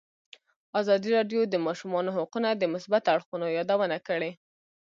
ازادي راډیو د د ماشومانو حقونه د مثبتو اړخونو یادونه کړې.